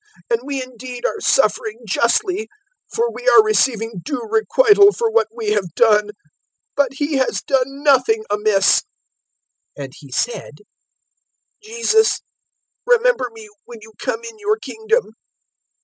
023:041 And we indeed are suffering justly, for we are receiving due requital for what we have done. But He has done nothing amiss." 023:042 And he said, "Jesus, remember me when you come in your Kingdom."